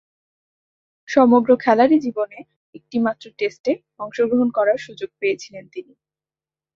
সমগ্র খেলোয়াড়ী জীবনে একটিমাত্র টেস্টে অংশগ্রহণ করার সুযোগ পেয়েছিলেন তিনি।